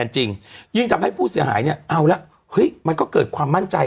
จริงยิ่งทำให้ผู้เสียหายเนี่ยเอาละเฮ้ยมันก็เกิดความมั่นใจ